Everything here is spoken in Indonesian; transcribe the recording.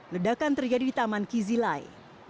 ledakan terjadi di taman kizilai